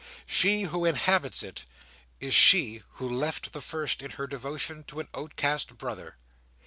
She who inhabits it, is she who left the first in her devotion to an outcast brother.